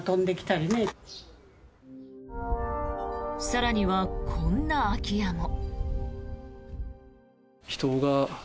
更には、こんな空き家も。